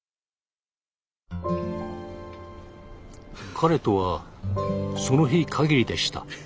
彼とはその日限りでした。